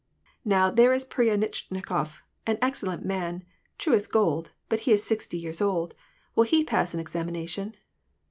" Now, there is Pryanitchnikof, an excellent nv^n, true as gold, but he is sixty years old : will he pass an examination